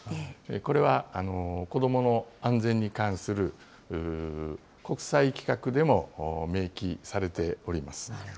これは子どもの安全に関する国際規格でも明記されております。